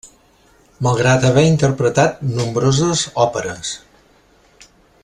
Malgrat haver interpretat nombroses òperes.